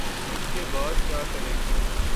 اس کے بعد کیا کریں؟